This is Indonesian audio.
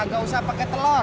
kagak usah pake telor